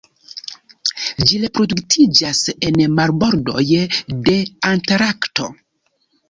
Ĝi reproduktiĝas en marbordoj de Antarkto.